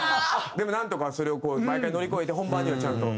でもなんとかそれを毎回乗り越えて本番にはちゃんと。